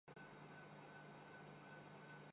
اگر تو تجربہ کامیاب رہا